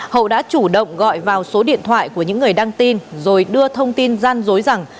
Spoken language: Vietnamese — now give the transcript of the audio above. hậu đã chủ động gọi vào số điện thoại của những người đăng tin rồi đưa thông tin gian dối rằng